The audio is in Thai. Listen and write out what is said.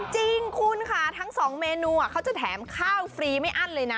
จริงคุณค่ะทั้งสองเมนูเขาจะแถมข้าวฟรีไม่อั้นเลยนะ